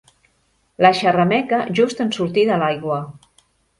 La xerrameca just en sortir de l'aigua.